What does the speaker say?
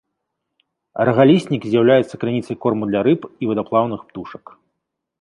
Рагаліснік з'яўляецца крыніцай корму для рыб і вадаплаўных птушак.